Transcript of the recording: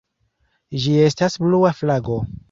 Ĝi estas blua flago.